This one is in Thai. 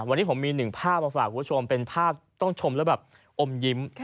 วันนี้ผมมีหนึ่งภาพมาฝากคุณผู้ชมเป็นภาพต้องชมแล้วแบบอมยิ้ม